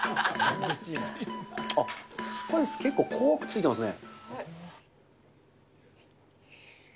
スパイス、結構濃くついてますね。